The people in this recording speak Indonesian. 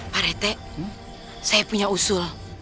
pak rete saya punya usul